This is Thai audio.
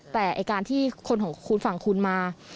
แต่ไอ้การที่คนของฝั่งคุณมา